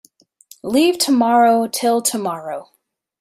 Leave tomorrow till tomorrow.